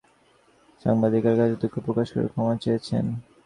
এ জন্য কমিটির আহ্বায়ক উপস্থিত সাংবাদিকদের কাছে দুঃখ প্রকাশ করে ক্ষমাও চেয়েছেন।